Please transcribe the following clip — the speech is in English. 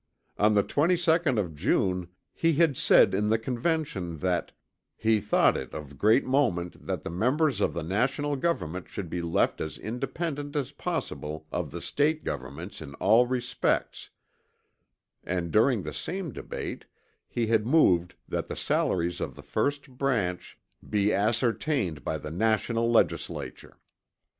On the 22nd of June he had said in the Convention that "he thought it of great moment that the members of the National Government should be left as independent as possible of the State Governments in all respects," and during the same debate he had moved that the salaries of the 1st branch "be ascertained by the National Legislature."